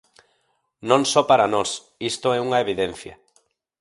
Non só para nós, isto é unha evidencia.